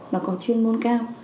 và có chuyên môn cao